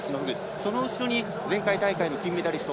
その後ろに前回大会の金メダリスト